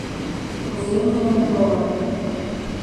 Кузе миен ужалам?